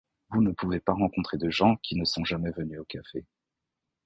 Vous ne pouvez pas rencontrer de gens qui ne sont jamais venus au café.